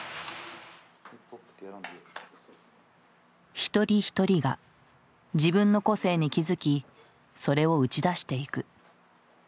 一人ひとりが自分の個性に気付きそれを打ち出していく。